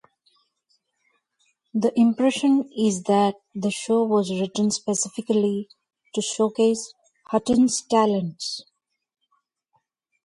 The impression is that the show was written specifically to showcase Hutton's talents.